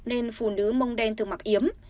nên phụ nữ mông đen thường mặc yếm